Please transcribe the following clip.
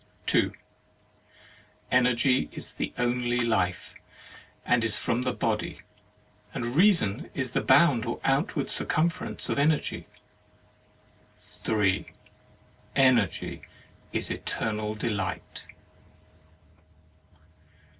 2 . Energy is the only life , and is from the Body; and Reason is the bound or outward circumference of Energy. 8 HEAVEN AND HELL 3. Energy is Eternal Delight.